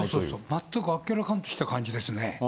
全くあっけらかんとした感じですね。